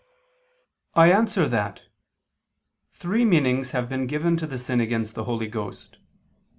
I answer that, Three meanings have been given to the sin against the Holy Ghost.